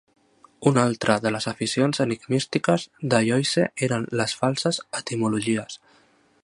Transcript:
Una altra de les aficions enigmístiques de Joyce eren les falses etimologies.